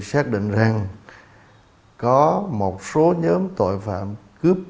xác định rằng có một số nhóm tội phạm cướp